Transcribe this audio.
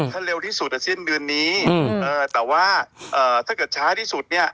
ถ้าเร็วที่สุดสิ้นเดือนนี้แต่ว่าถ้าเกิดช้าที่สุดเนี่ย